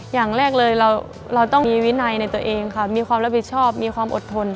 อย่างแรกเลยเราต้องมีวินัยในตัวเองค่ะมีความรับผิดชอบมีความอดทน